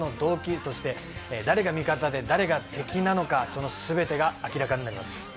そして誰が味方で誰が敵なのか、そのすべてが明らかになります。